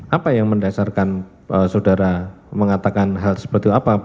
apa yang mendasarkan saudara mengatakan hal seperti apa